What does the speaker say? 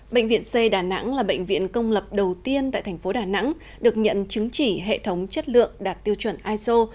bệnh viện c đà nẵng là bệnh viện công lập đầu tiên tại thành phố đà nẵng được nhận chứng chỉ hệ thống chất lượng đạt tiêu chuẩn iso